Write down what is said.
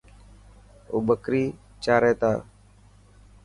او بڪري چاري تا.